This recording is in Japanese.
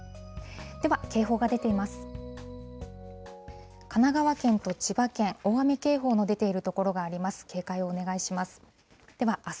では警報が出ています。